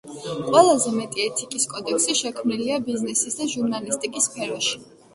ყველაზე მეტი ეთიკის კოდექსი შექმნილია ბიზნესის და ჟურნალისტიკის სფეროში.